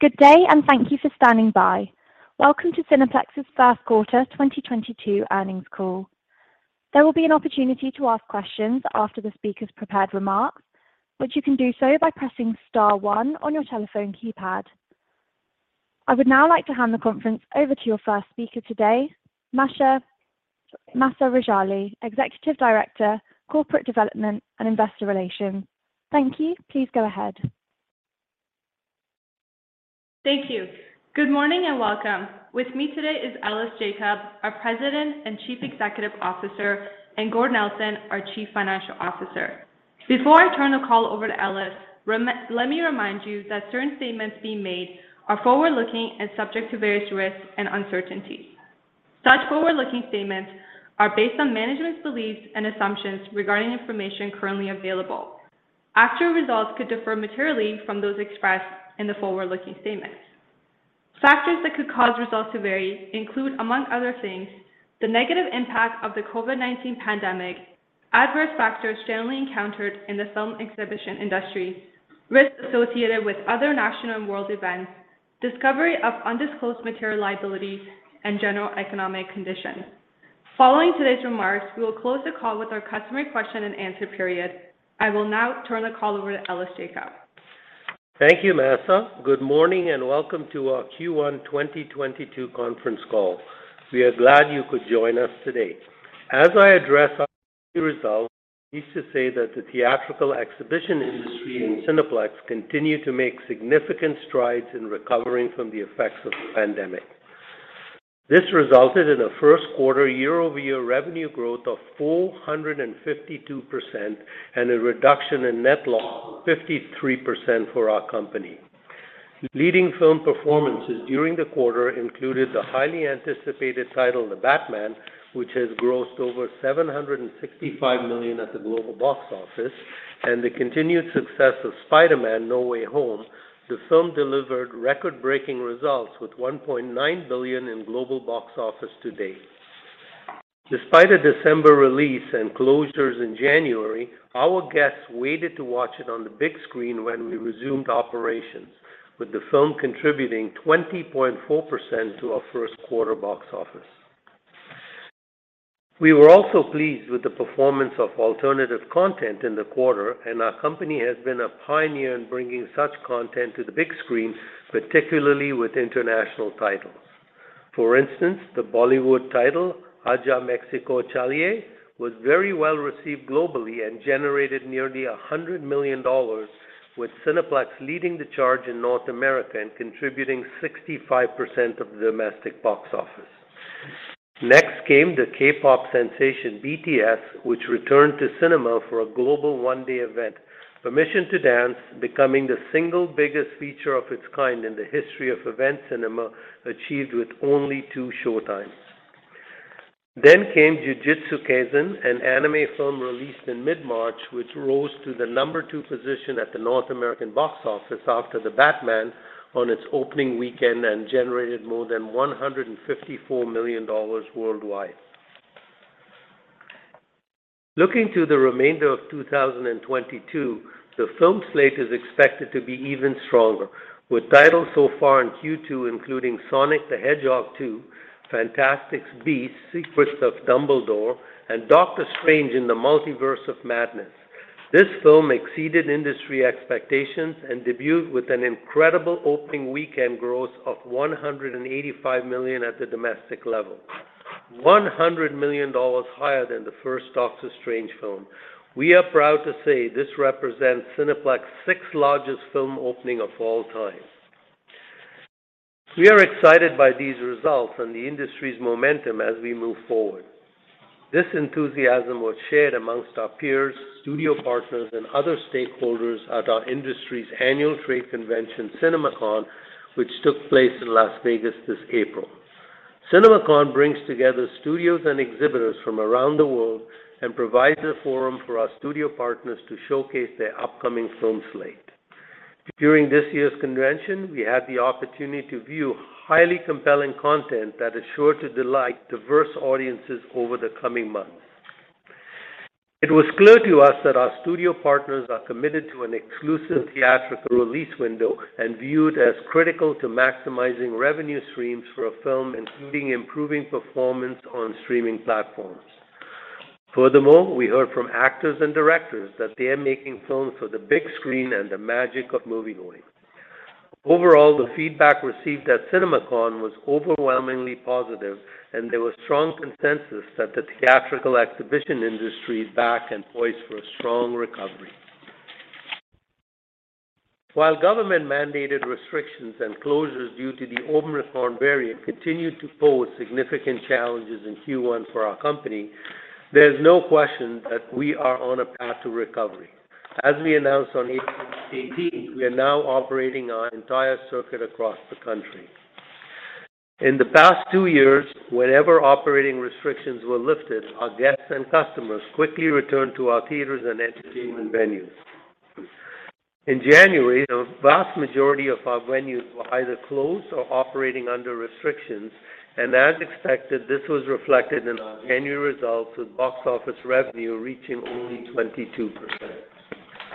Good day and thank you for standing by. Welcome to Cineplex's first quarter 2022 earnings call. There will be an opportunity to ask questions after the speaker's prepared remarks, which you can do so by pressing star one on your telephone keypad. I would now like to hand the conference over to your first speaker today, Mahsa Rejali, Executive Director, Corporate Development and Investor Relations. Thank you. Please go ahead. Thank you. Good morning and welcome. With me today is Ellis Jacob, our President and Chief Executive Officer, and Gord Nelson, our Chief Financial Officer. Before I turn the call over to Ellis, let me remind you that certain statements being made are forward-looking and subject to various risks and uncertainties. Such forward-looking statements are based on management's beliefs and assumptions regarding information currently available. Actual results could differ materially from those expressed in the forward-looking statements. Factors that could cause results to vary include, among other things, the negative impact of the COVID-19 pandemic, adverse factors generally encountered in the film exhibition industry, risks associated with other national and world events, discovery of undisclosed material liabilities and general economic conditions. Following today's remarks, we will close the call with our customary question and answer period. I will now turn the call over to Ellis Jacob. Thank you, Mahsa. Good morning and welcome to our Q1 2022 conference call. We are glad you could join us today. As I address our key results, I need to say that the theatrical exhibition industry and Cineplex continue to make significant strides in recovering from the effects of the pandemic. This resulted in a first quarter year-over-year revenue growth of 452% and a reduction in net loss of 53% for our company. Leading film performances during the quarter included the highly anticipated title, The Batman, which has grossed over $765 million at the global box office, and the continued success of Spider-Man: No Way Home. The film delivered record-breaking results with $1.9 billion in global box office to date. Despite a December release and closures in January, our guests waited to watch it on the big screen when we resumed operations, with the film contributing 20.4% to our first quarter box office. We were also pleased with the performance of alternative content in the quarter, and our company has been a pioneer in bringing such content to the big screen, particularly with international titles. For instance, the Bollywood title, Aaja Mexico Challiye, was very well-received globally and generated nearly $100 million, with Cineplex leading the charge in North America and contributing 65% of the domestic box office. Next came the K-pop sensation BTS, which returned to cinema for a global one-day event. Permission to Dance, becoming the single biggest feature of its kind in the history of event cinema, achieved with only two showtimes. Jujutsu Kaisen, an anime film released in mid-March, which rose to the number two position at the North American box office after The Batman on its opening weekend and generated more than $154 million worldwide. Looking to the remainder of 2022, the film slate is expected to be even stronger, with titles so far in Q2 including Sonic the Hedgehog 2, Fantastic Beasts: The Secrets of Dumbledore, and Doctor Strange in the Multiverse of Madness. This film exceeded industry expectations and debuted with an incredible opening weekend gross of $185 million at the domestic level, $100 million higher than the first Doctor Strange film. We are proud to say this represents Cineplex's sixth-largest film opening of all time. We are excited by these results and the industry's momentum as we move forward. This enthusiasm was shared among our peers, studio partners and other stakeholders at our industry's annual trade convention, CinemaCon, which took place in Las Vegas this April. CinemaCon brings together studios and exhibitors from around the world and provides a forum for our studio partners to showcase their upcoming film slate. During this year's convention, we had the opportunity to view highly compelling content that is sure to delight diverse audiences over the coming months. It was clear to us that our studio partners are committed to an exclusive theatrical release window and viewed as critical to maximizing revenue streams for a film, including improving performance on streaming platforms. Furthermore, we heard from actors and directors that they are making films for the big screen and the magic of moviegoing. Overall, the feedback received at CinemaCon was overwhelmingly positive, and there was strong consensus that the theatrical exhibition industry is back and poised for a strong recovery. While government-mandated restrictions and closures due to the Omicron variant continued to pose significant challenges in Q1 for our company, there's no question that we are on a path to recovery. As we announced on April 18, we are now operating our entire circuit across the country. In the past two years, whenever operating restrictions were lifted, our guests and customers quickly returned to our theaters and entertainment venues. In January, the vast majority of our venues were either closed or operating under restrictions, and as expected, this was reflected in our January results, with box office revenue reaching only 22%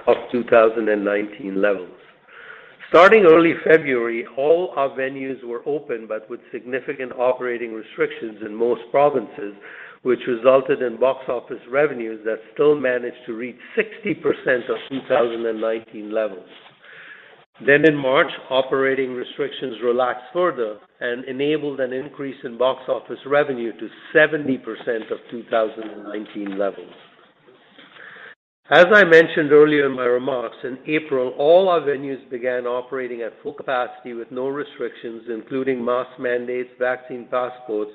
of 2019 levels. Starting early February, all our venues were open, but with significant operating restrictions in most provinces, which resulted in box office revenues that still managed to reach 60% of 2019 levels. In March, operating restrictions relaxed further and enabled an increase in box office revenue to 70% of 2019 levels. As I mentioned earlier in my remarks, in April, all our venues began operating at full capacity with no restrictions, including mask mandates, vaccine passports,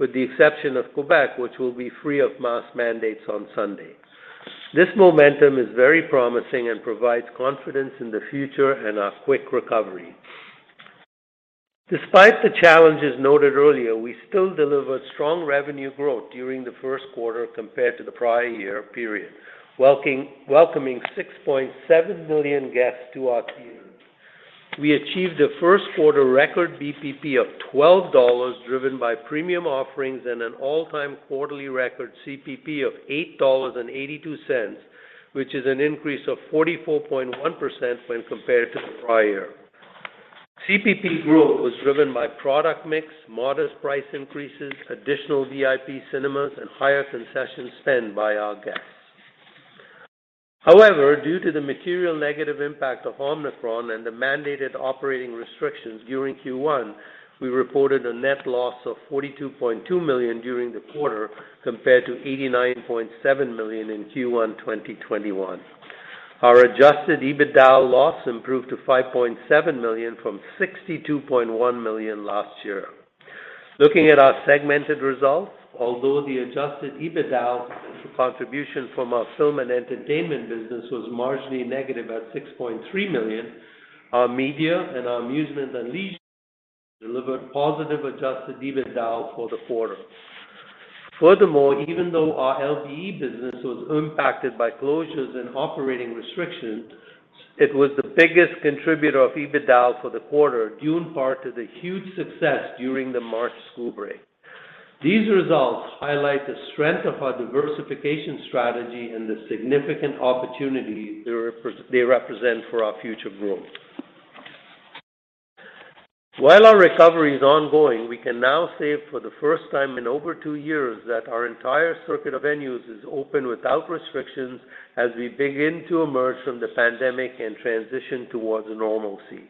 with the exception of Quebec, which will be free of mask mandates on Sunday. This momentum is very promising and provides confidence in the future and our quick recovery. Despite the challenges noted earlier, we still delivered strong revenue growth during the first quarter compared to the prior year period, welcoming 6.7 million guests to our theaters. We achieved a first quarter record VPP of 12 dollars, driven by premium offerings and an all-time quarterly record CPP of 8.82 dollars, which is an increase of 44.1% when compared to the prior year. CPP growth was driven by product mix, modest price increases, additional VIP Cinemas, and higher concession spend by our guests. However, due to the material negative impact of Omicron and the mandated operating restrictions during Q1, we reported a net loss of 42.2 million during the quarter compared to 89.7 million in Q1 2021. Our adjusted EBITDA loss improved to 5.7 million from 62.1 million last year. Looking at our segmented results, although the adjusted EBITDA contribution from our film and entertainment business was marginally negative at 6.3 million, our media and our amusement and leisure delivered positive adjusted EBITDA for the quarter. Furthermore, even though our LBE business was impacted by closures and operating restrictions, it was the biggest contributor of EBITDA for the quarter due in part to the huge success during the March school break. These results highlight the strength of our diversification strategy and the significant opportunity they represent for our future growth. While our recovery is ongoing, we can now say for the first time in over two years that our entire circuit of venues is open without restrictions as we begin to emerge from the pandemic and transition towards normalcy.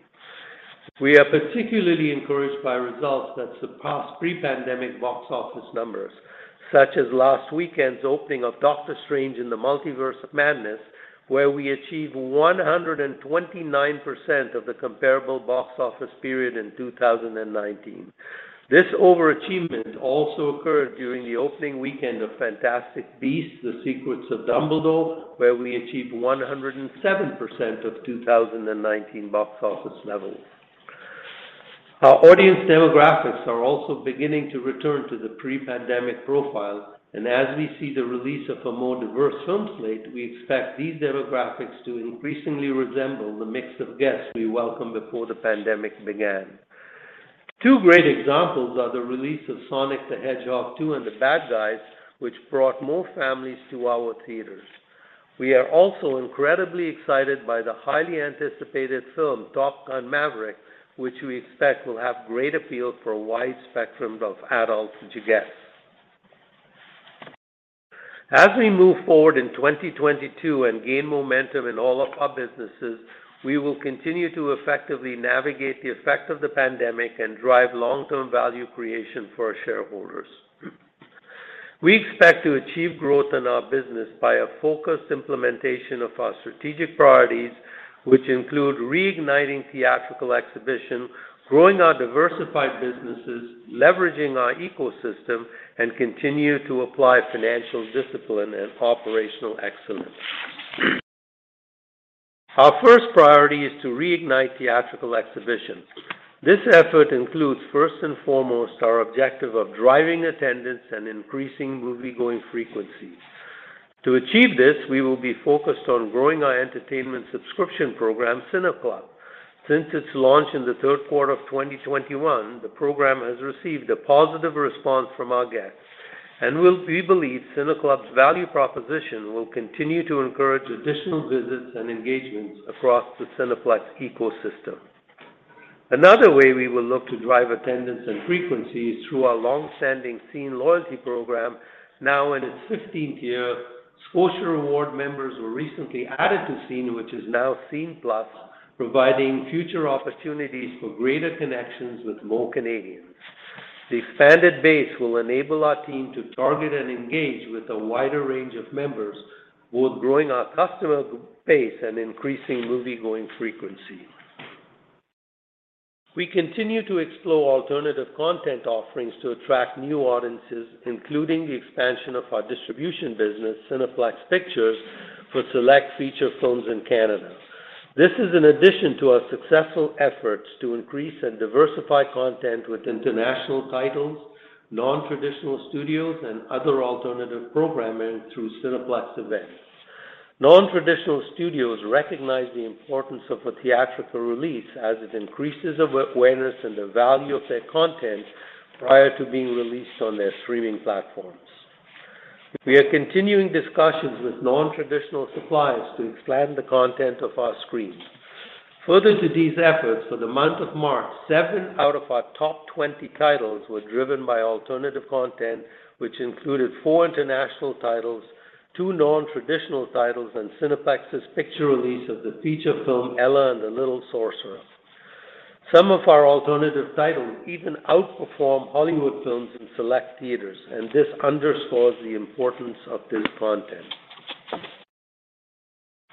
We are particularly encouraged by results that surpass pre-pandemic box office numbers, such as last weekend's opening of Doctor Strange in the Multiverse of Madness, where we achieved 129% of the comparable box office period in 2019. This over-achievement also occurred during the opening weekend of Fantastic Beasts: The Secrets of Dumbledore, where we achieved 107% of 2019 box office levels. Our audience demographics are also beginning to return to the pre-pandemic profile. As we see the release of a more diverse film slate, we expect these demographics to increasingly resemble the mix of guests we welcomed before the pandemic began. Two great examples are the release of Sonic the Hedgehog 2 and The Bad Guys, which brought more families to our theaters. We are also incredibly excited by the highly anticipated film, Top Gun: Maverick, which we expect will have great appeal for a wide spectrum of adult guests. As we move forward in 2022 and gain momentum in all of our businesses, we will continue to effectively navigate the effects of the pandemic and drive long-term value creation for our shareholders. We expect to achieve growth in our business by a focused implementation of our strategic priorities, which include reigniting theatrical exhibition, growing our diversified businesses, leveraging our ecosystem, and continue to apply financial discipline and operational excellence. Our first priority is to reignite theatrical exhibition. This effort includes, first and foremost, our objective of driving attendance and increasing moviegoing frequency. To achieve this, we will be focused on growing our entertainment subscription program, CineClub. Since its launch in the third quarter of 2021, the program has received a positive response from our guests, and we believe CineClub's value proposition will continue to encourage additional visits and engagements across the Cineplex ecosystem. Another way we will look to drive attendance and frequency is through our long-standing Scene loyalty program, now in its 15th year. Scotiabank card members were recently added to Scene, which is now Scene+, providing future opportunities for greater connections with more Canadians. The expanded base will enable our team to target and engage with a wider range of members, both growing our customer base and increasing moviegoing frequency. We continue to explore alternative content offerings to attract new audiences, including the expansion of our distribution business, Cineplex Pictures, for select feature films in Canada. This is in addition to our successful efforts to increase and diversify content with international titles, non-traditional studios, and other alternative programming through Cineplex Events. Non-traditional studios recognize the importance of a theatrical release as it increases awareness and the value of their content prior to being released on their streaming platforms. We are continuing discussions with non-traditional suppliers to expand the content of our screens. Further to these efforts, for the month of March, seven out of our top 20 titles were driven by alternative content, which included four international titles, two non-traditional titles, and Cineplex Pictures release of the feature film Ella and the Little Sorcerer. Some of our alternative titles even outperform Hollywood films in select theaters, and this underscores the importance of this content.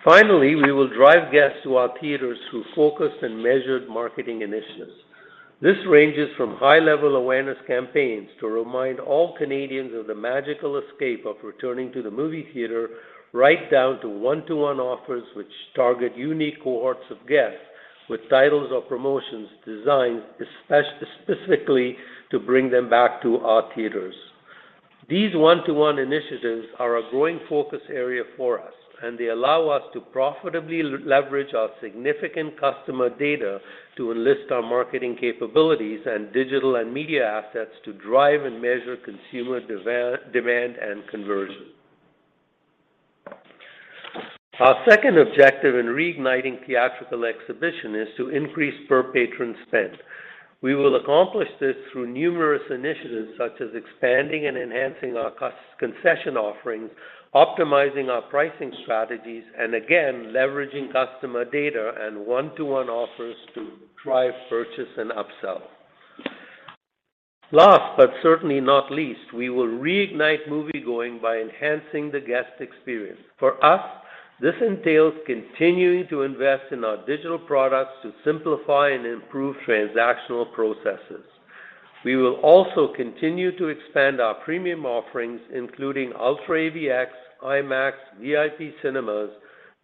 Finally, we will drive guests to our theaters through focused and measured marketing initiatives. This ranges from high-level awareness campaigns to remind all Canadians of the magical escape of returning to the movie theater right down to one-to-one offers which target unique cohorts of guests with titles or promotions designed specifically to bring them back to our theaters. These one-to-one initiatives are a growing focus area for us, and they allow us to profitably leverage our significant customer data to enlist our marketing capabilities and digital and media assets to drive and measure consumer demand and conversion. Our second objective in reigniting theatrical exhibition is to increase per patron spend. We will accomplish this through numerous initiatives, such as expanding and enhancing our concession offerings, optimizing our pricing strategies, and again, leveraging customer data and one-to-one offers to drive purchase and upsell. Last but certainly not least, we will reignite moviegoing by enhancing the guest experience. For us, this entails continuing to invest in our digital products to simplify and improve transactional processes. We will also continue to expand our premium offerings, including UltraAVX, IMAX, VIP Cinemas,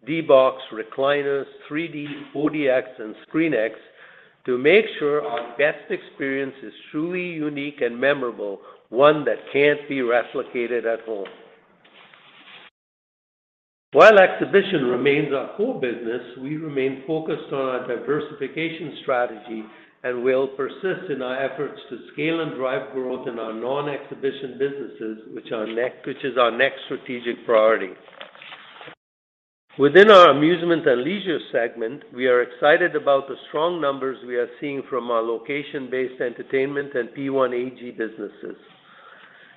D-BOX, Recliners, 3D, 4DX, and ScreenX to make sure our guest experience is truly unique and memorable, one that can't be replicated at home. While exhibition remains our core business, we remain focused on our diversification strategy and will persist in our efforts to scale and drive growth in our non-exhibition businesses, which is our next strategic priority. Within our amusement and leisure segment, we are excited about the strong numbers we are seeing from our location-based entertainment and P1AG businesses.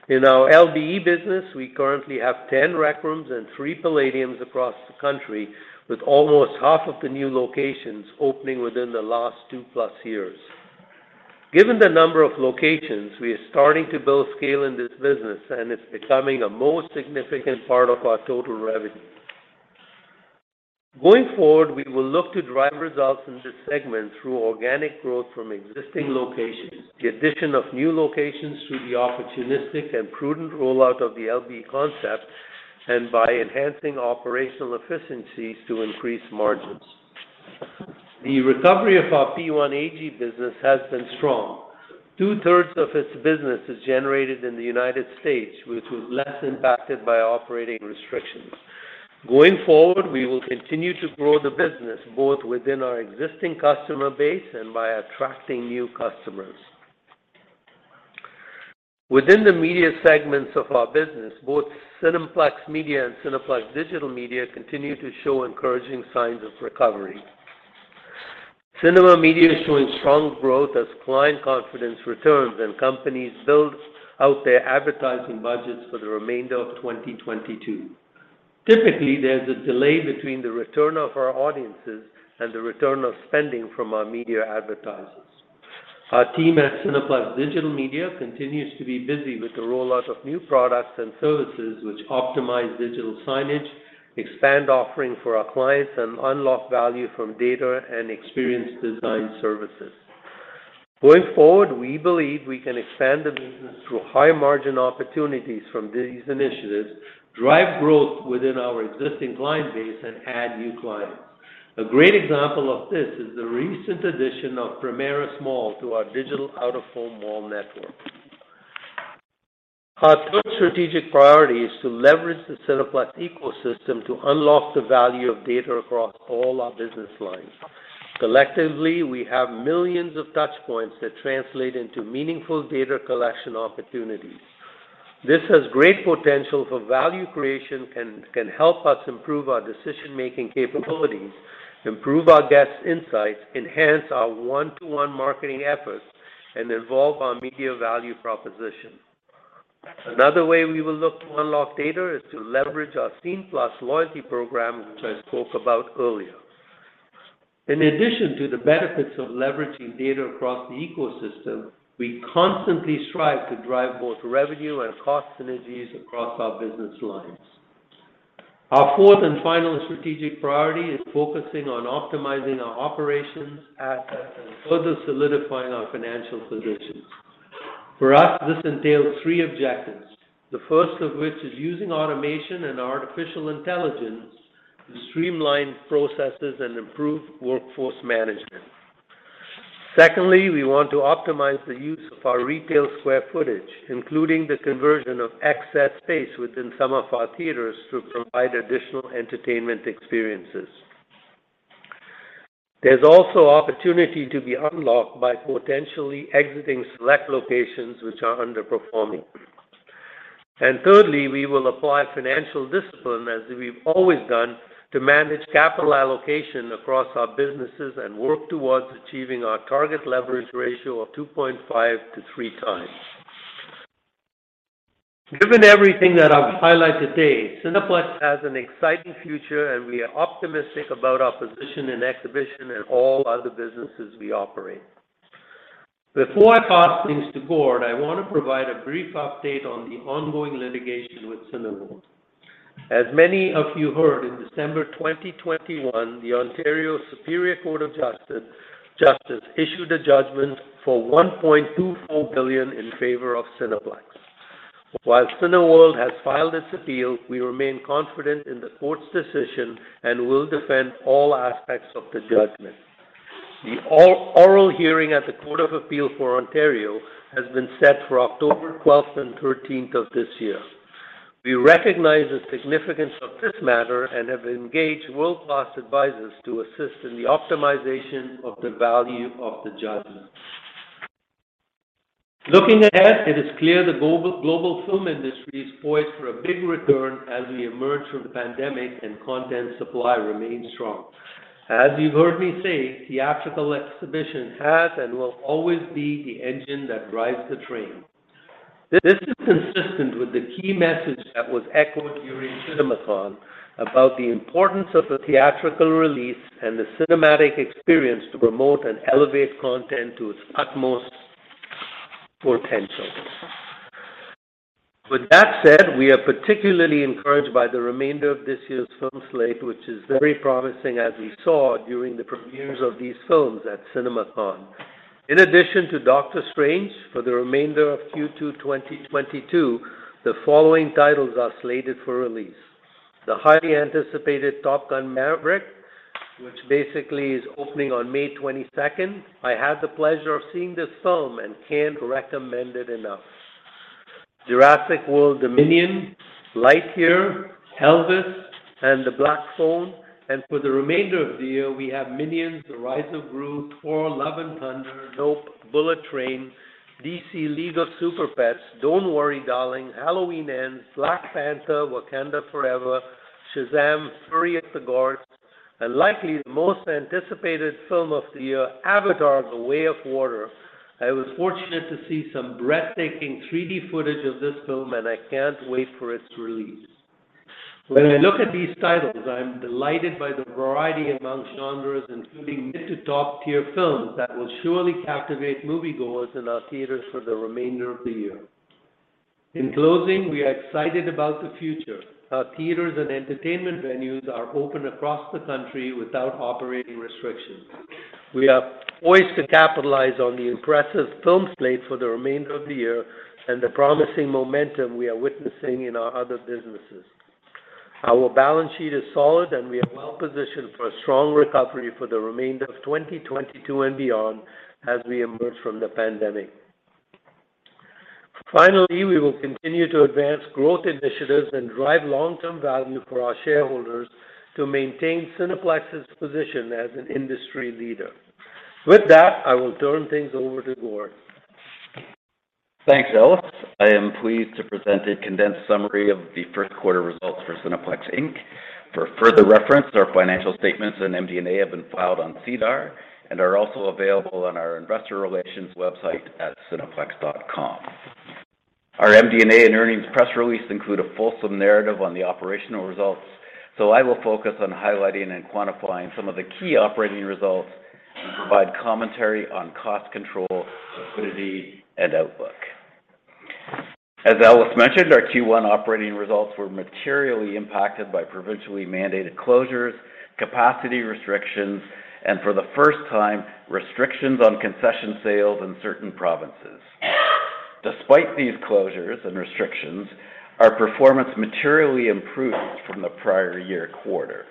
In our LBE business, we currently have 10 Rec Rooms and three Playdiums across the country, with almost half of the new locations opening within the last two-plus years. Given the number of locations, we are starting to build scale in this business, and it's becoming a more significant part of our total revenue. Going forward, we will look to drive results in this segment through organic growth from existing locations, the addition of new locations through the opportunistic and prudent rollout of the LBE concept, and by enhancing operational efficiencies to increase margins. The recovery of our P1AG business has been strong. Two-thirds of its business is generated in the United States, which was less impacted by operating restrictions. Going forward, we will continue to grow the business both within our existing customer base and by attracting new customers. Within the media segments of our business, both Cineplex Media and Cineplex Digital Media continue to show encouraging signs of recovery. Cineplex Media is showing strong growth as client confidence returns and companies build out their advertising budgets for the remainder of 2022. Typically, there's a delay between the return of our audiences and the return of spending from our media advertisers. Our team at Cineplex Digital Media continues to be busy with the rollout of new products and services which optimize digital signage, expand offering for our clients, and unlock value from data and experience design services. Going forward, we believe we can expand the business through high-margin opportunities from these initiatives, drive growth within our existing client base, and add new clients. A great example of this is the recent addition of Primaris Mall to our digital out-of-home mall network. Our third strategic priority is to leverage the Cineplex ecosystem to unlock the value of data across all our business lines. Collectively, we have millions of touch points that translate into meaningful data collection opportunities. This has great potential for value creation and can help us improve our decision-making capabilities, improve our guest insights, enhance our one-to-one marketing efforts, and evolve our media value proposition. Another way we will look to unlock data is to leverage our Scene+ loyalty program, which I spoke about earlier. In addition to the benefits of leveraging data across the ecosystem, we constantly strive to drive both revenue and cost synergies across our business lines. Our fourth and final strategic priority is focusing on optimizing our operations, assets, and further solidifying our financial position. For us, this entails three objectives, the first of which is using automation and artificial intelligence to streamline processes and improve workforce management. Secondly, we want to optimize the use of our retail square footage, including the conversion of excess space within some of our theaters to provide additional entertainment experiences. There's also opportunity to be unlocked by potentially exiting select locations which are underperforming. Thirdly, we will apply financial discipline as we've always done to manage capital allocation across our businesses and work towards achieving our target leverage ratio of 2.5x-3x. Given everything that I've highlighted today, Cineplex has an exciting future, and we are optimistic about our position in exhibition and all other businesses we operate. Before I pass things to Gord, I want to provide a brief update on the ongoing litigation with Cineworld. As many of you heard, in December 2021, the Ontario Superior Court of Justice issued a judgment for 1.24 billion in favor of Cineplex. While Cineworld has filed its appeal, we remain confident in the court's decision and will defend all aspects of the judgment. The oral hearing at the Court of Appeal for Ontario has been set for October 12th and 13th of this year. We recognize the significance of this matter and have engaged world-class advisors to assist in the optimization of the value of the judgment. Looking ahead, it is clear the global film industry is poised for a big return as we emerge from the pandemic and content supply remains strong. As you've heard me say, theatrical exhibition has and will always be the engine that drives the train. This is consistent with the key message that was echoed during CinemaCon about the importance of the theatrical release and the cinematic experience to promote and elevate content to its utmost potential. With that said, we are particularly encouraged by the remainder of this year's film slate, which is very promising, as we saw during the premieres of these films at CinemaCon. In addition to Doctor Strange, for the remainder of Q2 2022, the following titles are slated for release. The highly anticipated Top Gun: Maverick, which basically is opening on May 22. I had the pleasure of seeing this film and can't recommend it enough. Jurassic World Dominion, Lightyear, Elvis, and The Black Phone. For the remainder of the year, we have Minions: The Rise of Gru, Thor: Love and Thunder, Nope, Bullet Train, DC League of Super-Pets, Don't Worry Darling, Halloween Ends, Black Panther: Wakanda Forever, Shazam! Fury of the Gods, and likely the most anticipated film of the year, Avatar: The Way of Water. I was fortunate to see some breathtaking 3D footage of this film, and I can't wait for its release. When I look at these titles, I am delighted by the variety among genres, including mid to top-tier films that will surely captivate moviegoers in our theaters for the remainder of the year. In closing, we are excited about the future. Our theaters and entertainment venues are open across the country without operating restrictions. We are poised to capitalize on the impressive film slate for the remainder of the year and the promising momentum we are witnessing in our other businesses. Our balance sheet is solid, and we are well positioned for a strong recovery for the remainder of 2022 and beyond as we emerge from the pandemic. Finally, we will continue to advance growth initiatives and drive long-term value for our shareholders to maintain Cineplex's position as an industry leader. With that, I will turn things over to Gord. Thanks, Ellis. I am pleased to present a condensed summary of the first quarter results for Cineplex Inc. For further reference, our financial statements and MD&A have been filed on SEDAR and are also available on our investor relations website at cineplex.com. Our MD&A and earnings press release include a fulsome narrative on the operational results, so I will focus on highlighting and quantifying some of the key operating results and provide commentary on cost control, liquidity, and outlook. As Ellis mentioned, our Q1 operating results were materially impacted by provincially mandated closures, capacity restrictions, and for the first time, restrictions on concession sales in certain provinces. Despite these closures and restrictions, our performance materially improved from the prior year quarter.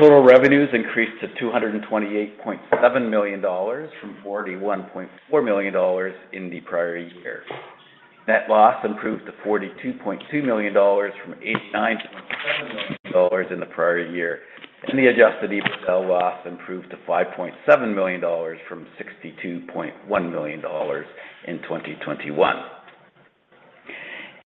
Total revenues increased to 228.7 million dollars from 41.4 million dollars in the prior year. Net loss improved to 42.2 million dollars from 89.7 million dollars in the prior year, and the adjusted EBITDA loss improved to 5.7 million dollars from 62.1 million dollars in 2021.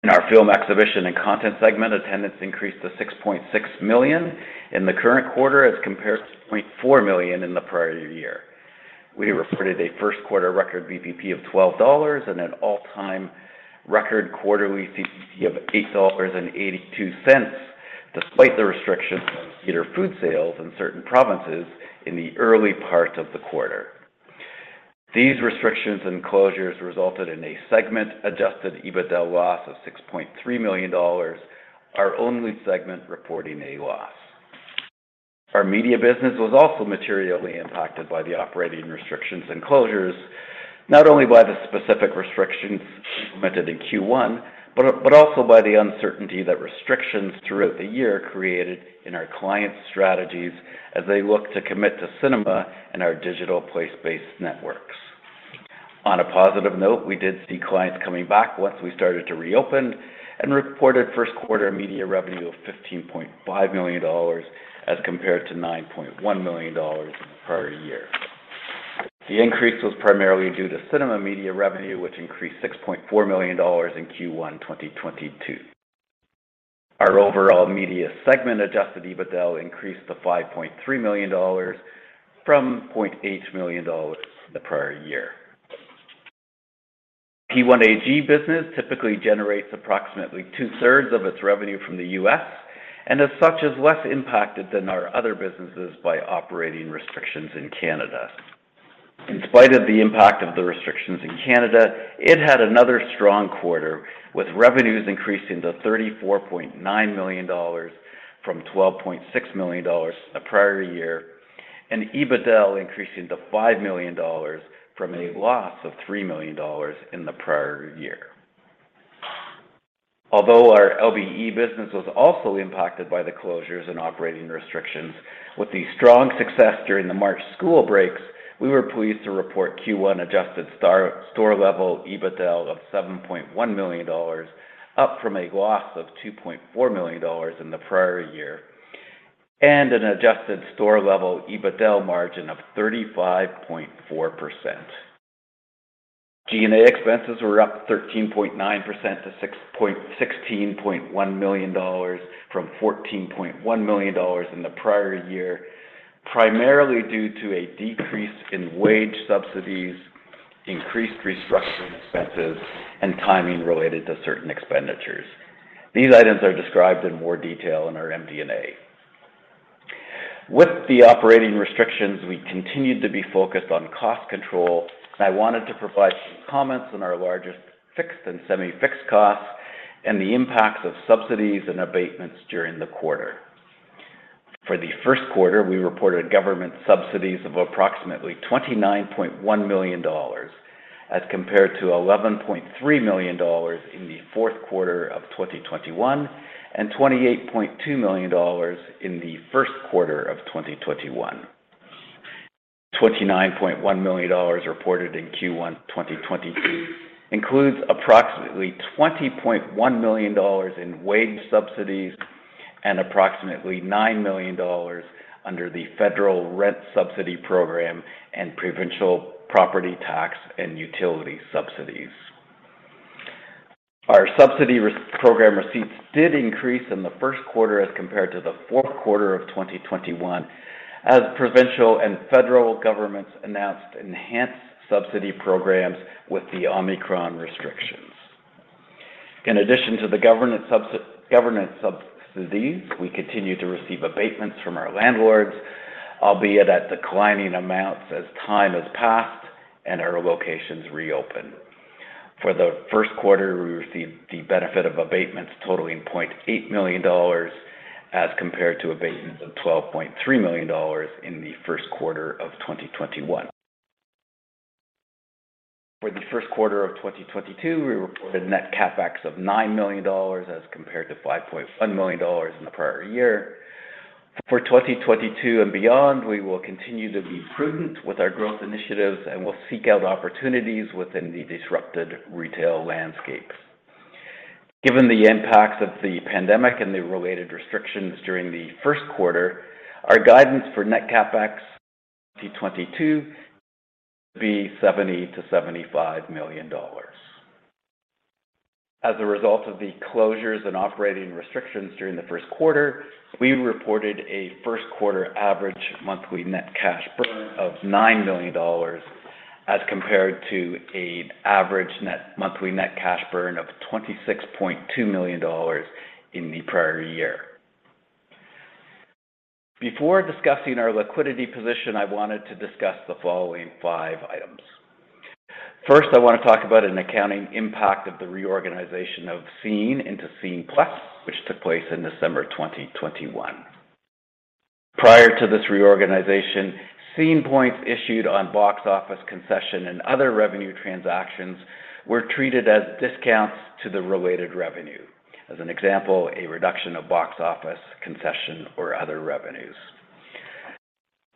In our film exhibition and content segment, attendance increased to 6.6 million in the current quarter as compared to 6.4 million in the prior year. We reported a first quarter record VPP of 12 dollars and an all-time record quarterly CCC of 8.82 dollars, despite the restrictions on theater food sales in certain provinces in the early part of the quarter. These restrictions and closures resulted in a segment-adjusted EBITDA loss of 6.3 million dollars, our only segment reporting a loss. Our media business was also materially impacted by the operating restrictions and closures, not only by the specific restrictions implemented in Q1, but also by the uncertainty that restrictions throughout the year created in our clients' strategies as they look to commit to cinema and our digital place-based networks. On a positive note, we did see clients coming back once we started to reopen and reported first quarter media revenue of 15.5 million dollars as compared to 9.1 million dollars in the prior year. The increase was primarily due to cinema media revenue, which increased 6.4 million dollars in Q1 2022. Our overall media segment adjusted EBITDA increased to 5.3 million dollars from 0.8 million dollars in the prior year. P1AG business typically generates approximately two-thirds of its revenue from the US and as such is less impacted than our other businesses by operating restrictions in Canada. In spite of the impact of the restrictions in Canada, it had another strong quarter with revenues increasing to 34.9 million dollars from 12.6 million dollars in the prior year, and EBITDA increasing to 5 million dollars from a loss of 3 million dollars in the prior year. Although our LBE business was also impacted by the closures and operating restrictions, with the strong success during the March school breaks, we were pleased to report Q1 adjusted store-level EBITDA of 7.1 million dollars, up from a loss of 2.4 million dollars in the prior year, and an adjusted store-level EBITDA margin of 35.4%. G&A expenses were up 13.9% to 16.1 million dollars from 14.1 million dollars in the prior year, primarily due to a decrease in wage subsidies, increased restructuring expenses, and timing related to certain expenditures. These items are described in more detail in our MD&A. With the operating restrictions, we continued to be focused on cost control, and I wanted to provide some comments on our largest fixed and semi-fixed costs and the impacts of subsidies and abatements during the quarter. For the first quarter, we reported government subsidies of approximately CAD 29.1 million as compared to CAD 11.3 million in the fourth quarter of 2021 and CAD 28.2 million in the first quarter of 2021. CAD 29.1 million reported in Q1 2022 includes approximately CAD 20.1 million in wage subsidies and approximately 9 million dollars under the Federal Rent Subsidy Program and Provincial Property Tax and Utility Subsidies. Our subsidy program receipts did increase in the first quarter as compared to the fourth quarter of 2021 as provincial and federal governments announced enhanced subsidy programs with the Omicron restrictions. In addition to the government subsidies, we continue to receive abatements from our landlords, albeit at declining amounts as time has passed and our locations reopen. For the first quarter, we received the benefit of abatements totaling 0.8 million dollars as compared to abatements of 12.3 million dollars in the first quarter of 2021. For the first quarter of 2022, we reported net CapEx of 9 million dollars as compared to 5.1 million dollars in the prior year. For 2022 and beyond, we will continue to be prudent with our growth initiatives and will seek out opportunities within the disrupted retail landscape. Given the impacts of the pandemic and the related restrictions during the first quarter, our guidance for net CapEx 2022 will be 70 million-75 million dollars. As a result of the closures and operating restrictions during the first quarter, we reported a first quarter average monthly net cash burn of 9 million dollars as compared to an average monthly net cash burn of 26.2 million dollars in the prior year. Before discussing our liquidity position, I wanted to discuss the following five items. First, I want to talk about an accounting impact of the reorganization of SCENE into Scene+, which took place in December 2021. Prior to this reorganization, SCENE points issued on box office concession and other revenue transactions were treated as discounts to the related revenue. As an example, a reduction of box office concession or other revenues.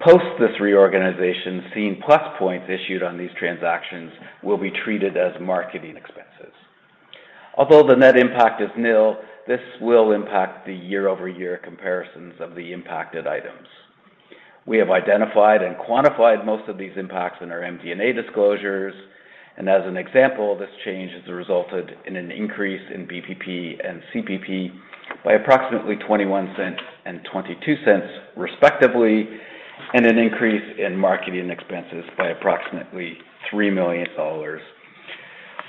Post this reorganization, Scene+ points issued on these transactions will be treated as marketing expenses. Although the net impact is nil, this will impact the year-over-year comparisons of the impacted items. We have identified and quantified most of these impacts in our MD&A disclosures. As an example, this change has resulted in an increase in BPP and CPP by approximately 0.21 and 0.22 respectively, and an increase in marketing expenses by approximately 3 million dollars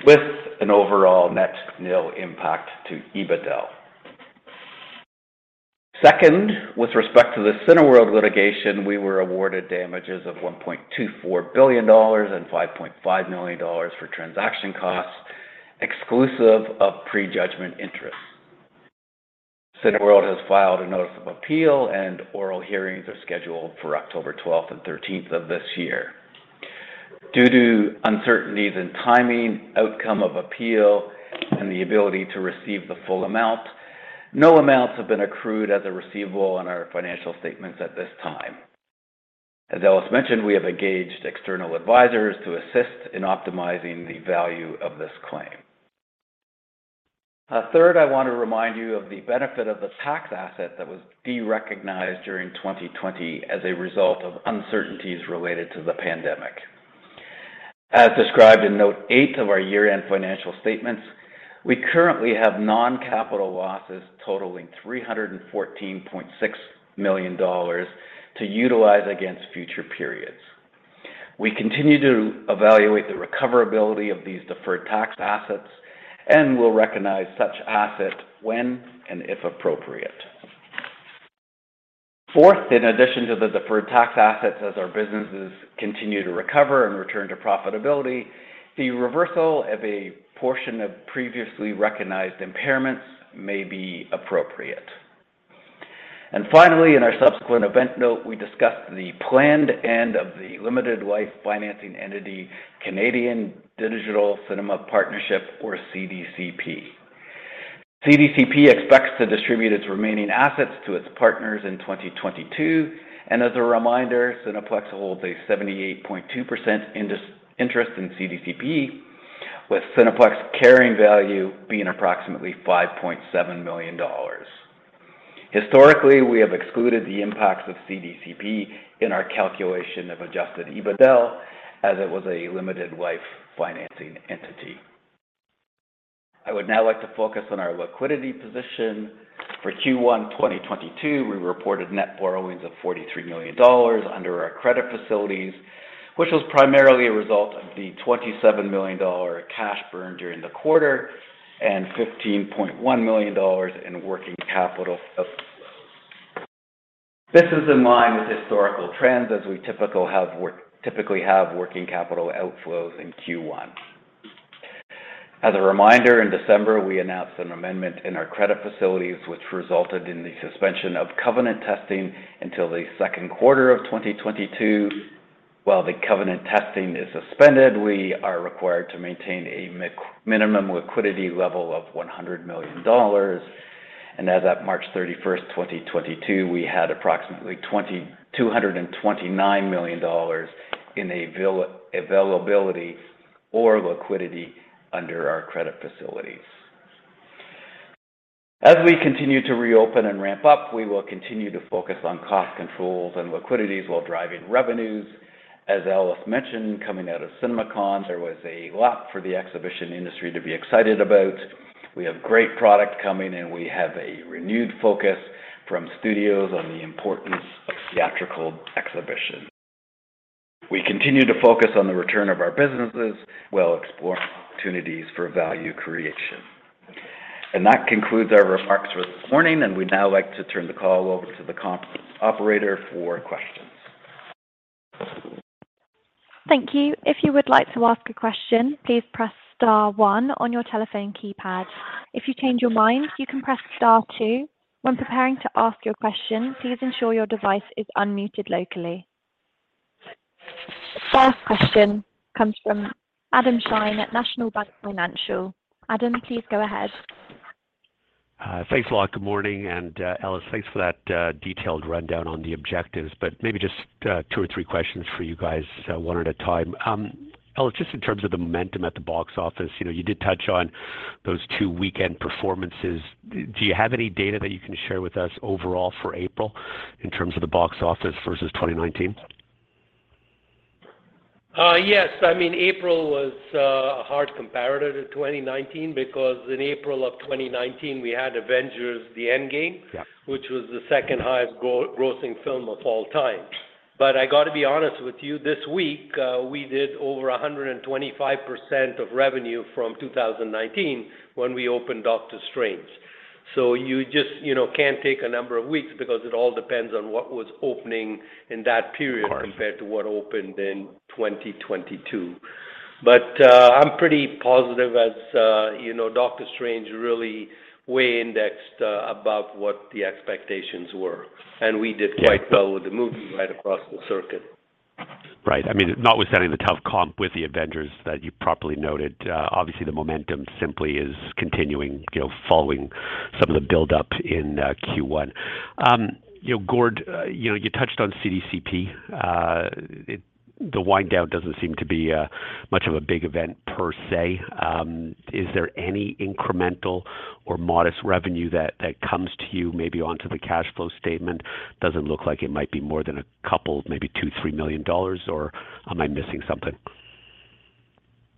with an overall net nil impact to EBITDA. Second, with respect to the Cineworld litigation, we were awarded damages of 1.24 billion dollars and 5.5 million dollars for transaction costs exclusive of prejudgment interest. Cineworld has filed a notice of appeal, and oral hearings are scheduled for October 12th and thirteenth of this year. Due to uncertainties in timing, outcome of appeal, and the ability to receive the full amount. No amounts have been accrued as a receivable in our financial statements at this time. As Ellis mentioned, we have engaged external advisors to assist in optimizing the value of this claim. Third, I want to remind you of the benefit of the tax asset that was derecognized during 2020 as a result of uncertainties related to the pandemic. As described in note eight of our year-end financial statements, we currently have non-capital losses totaling 314.6 million dollars to utilize against future periods. We continue to evaluate the recoverability of these deferred tax assets and will recognize such asset when and if appropriate. Fourth, in addition to the deferred tax assets as our businesses continue to recover and return to profitability, the reversal of a portion of previously recognized impairments may be appropriate. Finally, in our subsequent event note, we discussed the planned end of the limited life financing entity Canadian Digital Cinema Partnership, or CDCP. CDCP expects to distribute its remaining assets to its partners in 2022. As a reminder, Cineplex holds a 78.2% undivided interest in CDCP, with Cineplex carrying value being approximately 5.7 million dollars. Historically, we have excluded the impacts of CDCP in our calculation of adjusted EBITDA, as it was a limited life financing entity. I would now like to focus on our liquidity position. For Q1 2022, we reported net borrowings of 43 million dollars under our credit facilities, which was primarily a result of the 27 million dollar cash burn during the quarter and 15.1 million dollars in working capital outflows. This is in line with historical trends as we typically have working capital outflows in Q1. As a reminder, in December, we announced an amendment in our credit facilities, which resulted in the suspension of covenant testing until the second quarter of 2022. While the covenant testing is suspended, we are required to maintain a minimum liquidity level of 100 million dollars. As at March 31, 2022, we had approximately 2,229 million dollars in availability or liquidity under our credit facilities. As we continue to reopen and ramp up, we will continue to focus on cost controls and liquidity while driving revenues. As Ellis mentioned, coming out of CinemaCon, there was a lot for the exhibition industry to be excited about. We have great product coming, and we have a renewed focus from studios on the importance of theatrical exhibition. We continue to focus on the return of our businesses, while exploring opportunities for value creation. That concludes our remarks for this morning, and we'd now like to turn the call over to the operator for questions. Thank you. If you would like to ask a question, please press star one on your telephone keypad. If you change your mind, you can press star two. When preparing to ask your question, please ensure your device is unmuted locally. The first question comes from Adam Shine at National Bank Financial. Adam, please go ahead. Thanks a lot. Good morning. Ellis, thanks for that detailed rundown on the objectives, but maybe just two or three questions for you guys, one at a time. Ellis, just in terms of the momentum at the box office, you know, you did touch on those two weekend performances. Do you have any data that you can share with us overall for April in terms of the box office versus 2019? Yes. I mean, April was a hard comparator to 2019 because in April of 2019, we had Avengers: Endgame. Yeah. which was the second-highest grossing film of all time. I got to be honest with you, this week, we did over 125% of revenue from 2019 when we opened Doctor Strange. You just, you know, can't take a number of weeks because it all depends on what was opening in that period. Of course. compared to what opened in 2022. I'm pretty positive as you know, Doctor Strange really over-indexed above what the expectations were. We did quite- Yeah. Well with the movie right across the circuit. Right. I mean, notwithstanding the tough comp with the Avengers that you properly noted, obviously the momentum simply is continuing, you know, following some of the buildup in Q1. Gord, you touched on CDCP. The wind down doesn't seem to be much of a big event per se. Is there any incremental or modest revenue that comes to you maybe onto the cash flow statement? Does it look like it might be more than a couple, maybe 2 million or 3 million dollars, or am I missing something?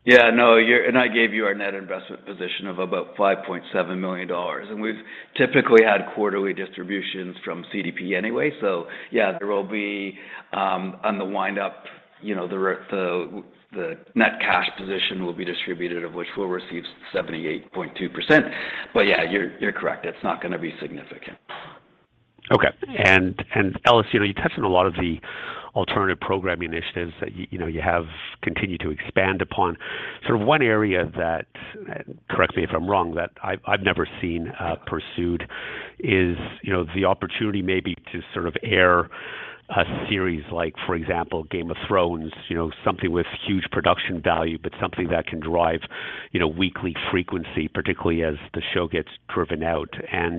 Yeah. No. I gave you our net investment position of about 5.7 million dollars. We've typically had quarterly distributions from CDCP anyway. Yeah, there will be. On the wind up, you know, the net cash position will be distributed, of which we'll receive 78.2%. Yeah, you're correct. It's not gonna be significant. Okay. Ellis, you know, you touched on a lot of the alternative programming initiatives that you know, you have continued to expand upon. Sort of one area that, correct me if I'm wrong, that I've never seen pursued is, you know, the opportunity maybe to sort of air A series like, for example, Game of Thrones, you know, something with huge production value, but something that can drive, you know, weekly frequency, particularly as the show gets driven out.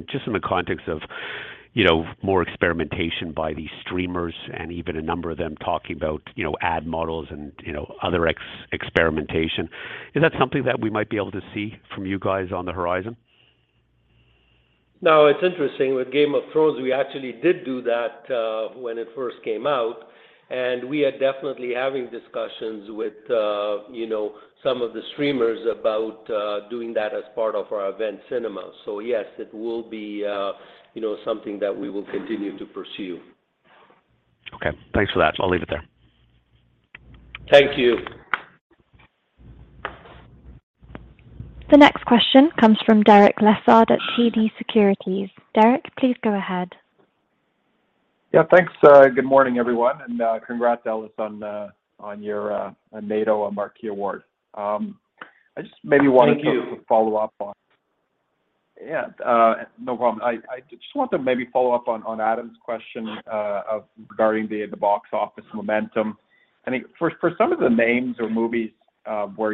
Just in the context of, you know, more experimentation by these streamers and even a number of them talking about, you know, ad models and, you know, other experimentation. Is that something that we might be able to see from you guys on the horizon? No. It's interesting. With Game of Thrones, we actually did do that, when it first came out, and we are definitely having discussions with, you know, some of the streamers about, doing that as part of our event cinema. So yes, it will be, you know, something that we will continue to pursue. Okay. Thanks for that. I'll leave it there. Thank you. The next question comes from Derek Lessard at TD Securities. Derek, please go ahead. Yeah. Thanks. Good morning, everyone. Congrats, Ellis, on your NATO Marquee Award. I just maybe wanted to. Thank you. Yeah, no problem. I just want to maybe follow up on Adam's question regarding the box office momentum. I think for some of the names or movies where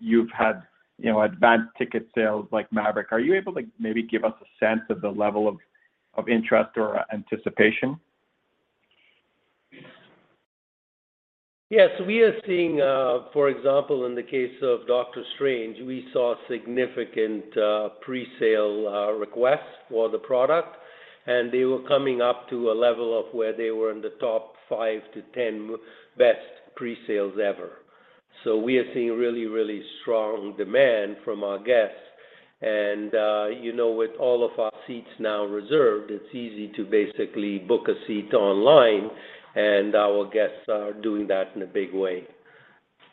you've had, you know, advanced ticket sales like Maverick, are you able to maybe give us a sense of the level of interest or anticipation? Yes. We are seeing, for example, in the case of Doctor Strange, we saw significant presale requests for the product, and they were coming up to a level of where they were in the top five to 10 best presales ever. We are seeing really, really strong demand from our guests. You know, with all of our seats now reserved, it's easy to basically book a seat online, and our guests are doing that in a big way.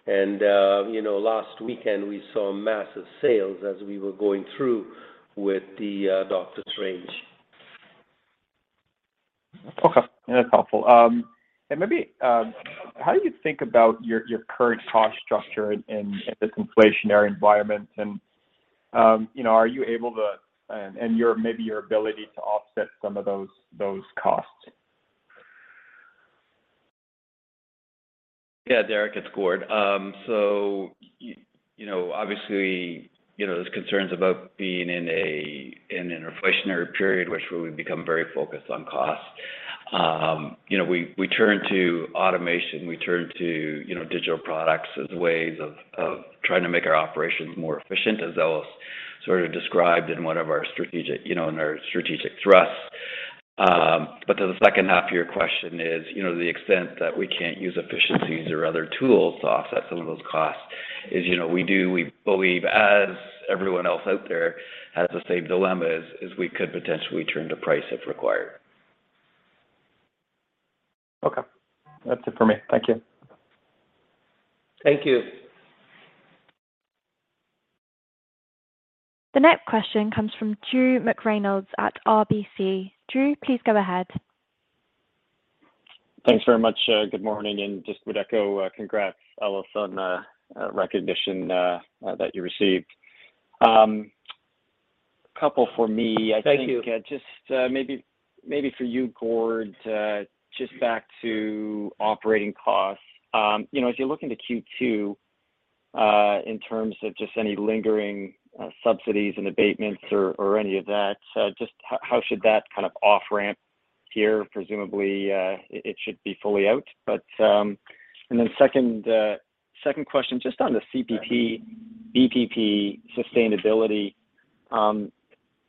You know, last weekend, we saw massive sales as we were going through with the Doctor Strange. Okay. That's helpful. Maybe, how do you think about your current cost structure in this inflationary environment? You know, maybe your ability to offset some of those costs. Yeah, Derek, it's Gord. So you know, obviously, you know, there's concerns about being in an inflationary period, which we've become very focused on costs. You know, we turn to automation, we turn to digital products as ways of trying to make our operations more efficient as Ellis sort of described in one of our strategic thrusts. To the second half of your question is, you know, the extent that we can't use efficiencies or other tools to offset some of those costs is, you know, we do. We believe, as everyone else out there has the same dilemmas, is we could potentially turn to price if required. Okay. That's it for me. Thank you. Thank you. The next question comes from Drew McReynolds at RBC. Drew, please go ahead. Thanks very much. Good morning, just would echo congrats, Ellis, on recognition that you received. Couple for me. Thank you. I think, just maybe for you, Gord, just back to operating costs. You know, as you look into Q2, in terms of just any lingering subsidies and abatements or any of that, just how should that kind of off ramp here? Presumably, it should be fully out. Second question, just on the CPP, BPP sustainability,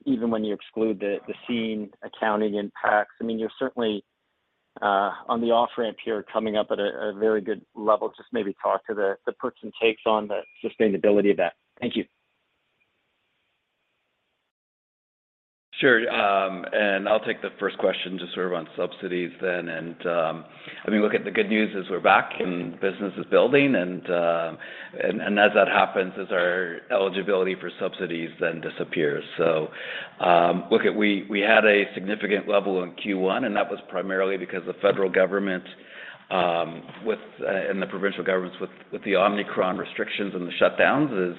even when you exclude the SCENE accounting impacts. I mean, you're certainly on the off ramp here coming up at a very good level. Just maybe talk to the puts and takes on the sustainability of that. Thank you. Sure. I'll take the first question just sort of on subsidies then. I mean, look, the good news is we're back and business is building, and as that happens our eligibility for subsidies then disappears. Look, we had a significant level in Q1, and that was primarily because the federal government and the provincial governments with the Omicron restrictions and the shutdowns,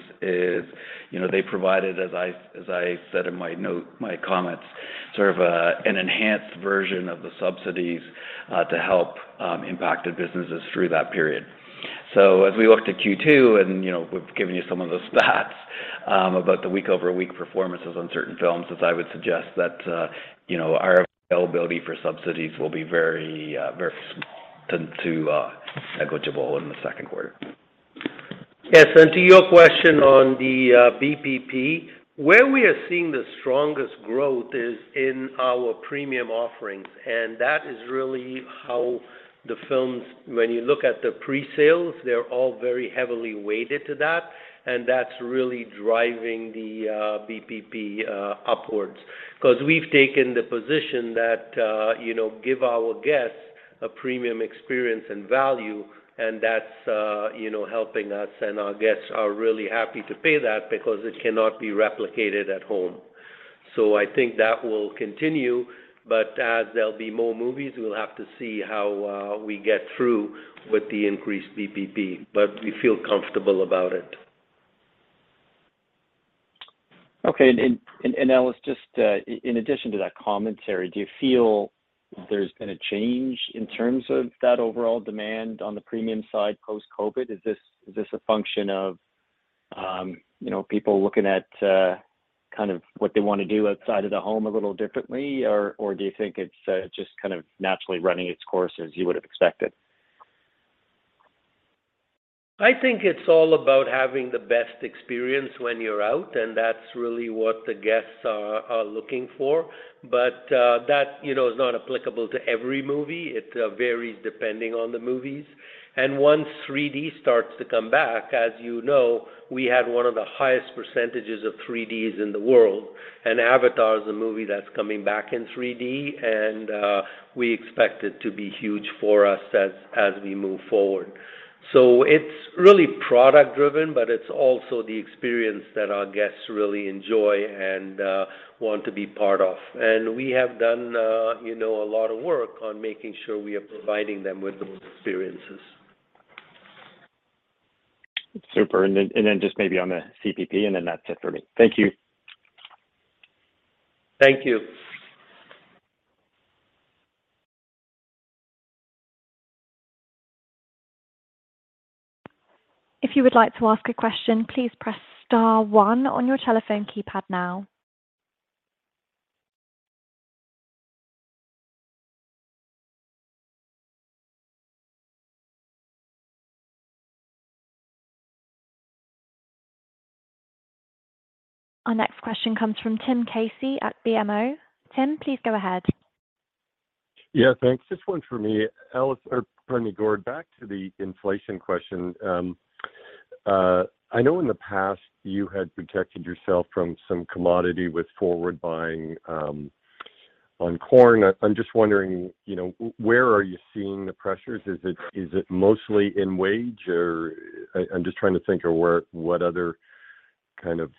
you know, they provided, as I said in my note, my comments, sort of an enhanced version of the subsidies to help impacted businesses through that period. As we look to Q2, and, you know, we've given you some of the stats about the week-over-week performances on certain films. I would suggest that, you know, our availability for subsidies will be very small to negligible in the second quarter. Yes. To your question on the BPP, where we are seeing the strongest growth is in our premium offerings, and that is really how the films, when you look at the presales, they're all very heavily weighted to that, and that's really driving the BPP upwards. 'Cause we've taken the position that, you know, give our guests a premium experience and value, and that's, you know, helping us, and our guests are really happy to pay that because it cannot be replicated at home. I think that will continue, but as there'll be more movies, we'll have to see how we get through with the increased BPP. But we feel comfortable about it. Okay. Ellis, just in addition to that commentary, do you feel there's been a change in terms of that overall demand on the premium side post-COVID? Is this a function of you know, people looking at kind of what they wanna do outside of the home a little differently? Or do you think it's just kind of naturally running its course as you would have expected? I think it's all about having the best experience when you're out, and that's really what the guests are looking for. That, you know, is not applicable to every movie. It varies depending on the movies. Once 3D starts to come back, as you know, we had one of the highest percentages of 3Ds in the world. Avatar is a movie that's coming back in 3D, and we expect it to be huge for us as we move forward. It's really product-driven, but it's also the experience that our guests really enjoy and want to be part of. We have done, you know, a lot of work on making sure we are providing them with those experiences. Super. Just maybe on the CPP, and then that's it for me. Thank you. Thank you. If you would like to ask a question, please press star one on your telephone keypad now. Our next question comes from Tim Casey at BMO. Tim, please go ahead. Yeah, thanks. Just one for me. Ellis, or pardon me, Gord, back to the inflation question. I know in the past you had protected yourself from some commodity with forward buying on corn. I'm just wondering, you know, where are you seeing the pressures? Is it mostly in wage or I'm just trying to think of what other kind of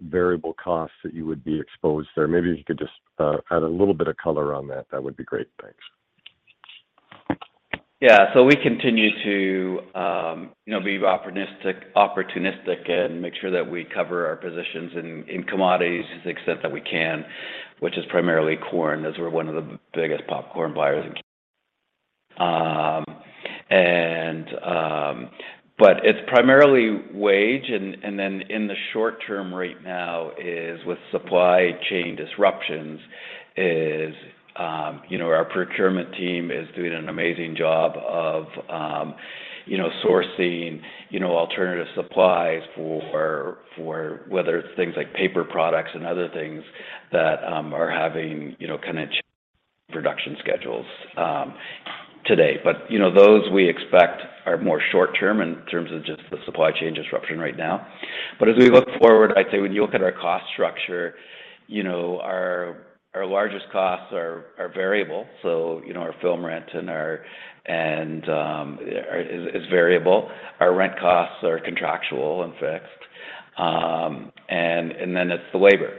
variable costs that you would be exposed there. Maybe you could just add a little bit of color on that. That would be great. Thanks. We continue to be opportunistic and make sure that we cover our positions in commodities to the extent that we can, which is primarily corn, as we're one of the biggest popcorn buyers in Canada. It's primarily wages and then in the short-term right now with supply chain disruptions, our procurement team is doing an amazing job of sourcing alternative supplies for whether it's things like paper products and other things that are having kind of production schedules today. Those we expect are more short-term in terms of just the supply chain disruption right now. As we look forward, I'd say when you look at our cost structure, our largest costs are variable. You know, our film rent is variable. Our rent costs are contractual and fixed. It's the labor.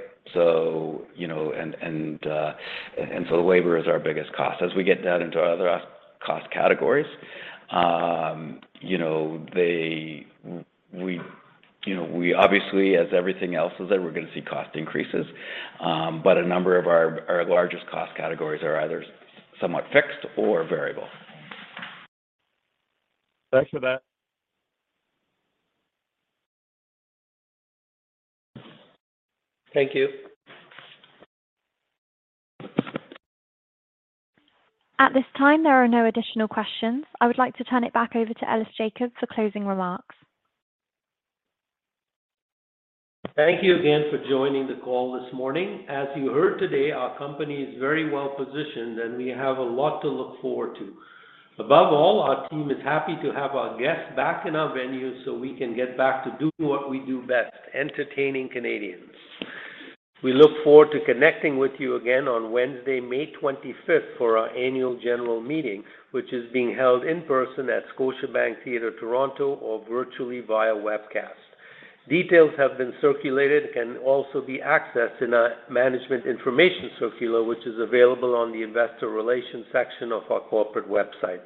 You know, the labor is our biggest cost. As we get down into our other cost categories, you know, we obviously, as everything else is there, we're gonna see cost increases. A number of our largest cost categories are either somewhat fixed or variable. Thanks for that. Thank you. At this time, there are no additional questions. I would like to turn it back over to Ellis Jacob for closing remarks. Thank you again for joining the call this morning. As you heard today, our company is very well-positioned, and we have a lot to look forward to. Above all, our team is happy to have our guests back in our venues so we can get back to doing what we do best, entertaining Canadians. We look forward to connecting with you again on Wednesday, May 25th for our annual general meeting, which is being held in person at Scotiabank Theatre, Toronto or virtually via webcast. Details have been circulated and can also be accessed in our management information circular, which is available on the investor relations section of our corporate website.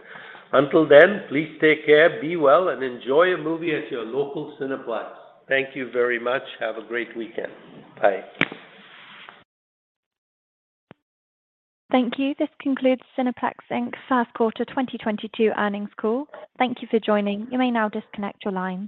Until then, please take care, be well, and enjoy a movie at your local Cineplex. Thank you very much. Have a great weekend. Bye. Thank you. This concludes Cineplex Inc.'s fourth quarter 2022 earnings call. Thank you for joining. You may now disconnect your lines.